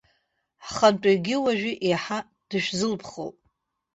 Ҳхантәаҩгьы уажәы еиҳа дышәзылԥхоуп.